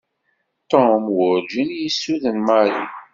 Tom werǧin i yessuden Mary.